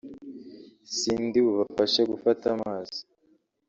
sindibubashe gufata amazi